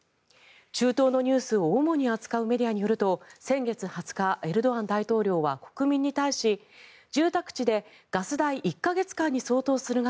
中東のニュースを主に扱うメディアによると先月２０日エルドアン大統領は国民に対し住宅地でガス代１か月間に相当する額